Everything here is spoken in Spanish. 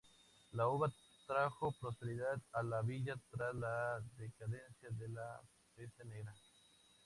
La uva trajo prosperidad a la villa tras la decadencia de la peste negra.